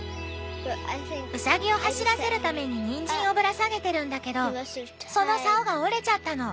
うさぎを走らせるためににんじんをぶら下げてるんだけどそのさおが折れちゃったの。